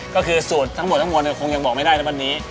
ก็คือสูตรทั้งหมดทั้งมวลคงยังบอกไม่ได้นะวันนี้